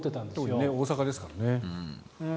特に大阪ですからね。